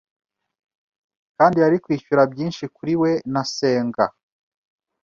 Kandi yari kwishyura byinshi kuri we nasenga